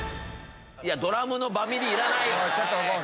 ドラムのバミリいらないよ。